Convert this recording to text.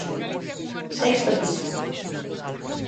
Sexto piso.